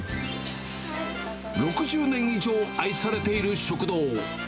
６０年以上愛されている食堂。